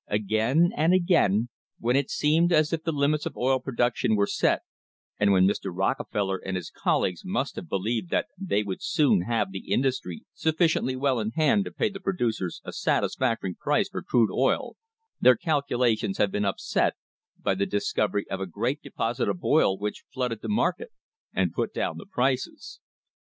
Again and again when it seemed as if the limits of oil production were set, and when Mr. Rockefeller and his colleagues must have believed that they would soon have the industry sufficiently well in hand to pay the producers a satisfactory price for crude oil, their calculations have been upset by the discovery of a great de posit of oil which flooded the market and put down the prices.